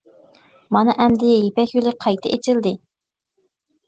مانا ئەمدى يىپەك يولى قايتا ئېچىلدى!